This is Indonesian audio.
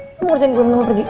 lu mau ngerjain gue mau pergi